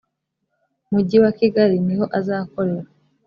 mujyi wa kigali niho azakorera